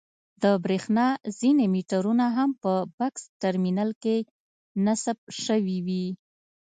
د برېښنا ځینې مېټرونه هم په بکس ټرمینل کې نصب شوي وي.